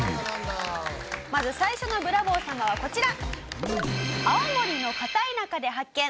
まず最初のブラボー様はこちら！